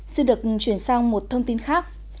xin được chuyển sang một thông tin khác